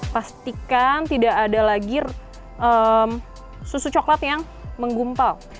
pastikan tidak ada lagi susu coklat yang menggumpal